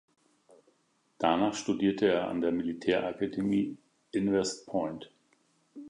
Danach studierte er an der Militärakademie in West Point.